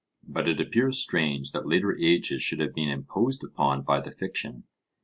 But it appears strange that later ages should have been imposed upon by the fiction.